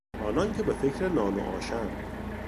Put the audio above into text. آنان که به فکر نان و آشاند...